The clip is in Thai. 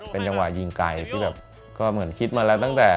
เป็นจังหวะยิงไกลที่แบบก็เหมือนคิดมาแล้วตั้งแต่